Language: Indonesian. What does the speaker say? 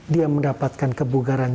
dia mendapatkan kebugaran jantung